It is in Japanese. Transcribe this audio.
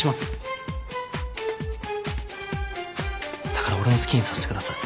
だから俺の好きにさせてください。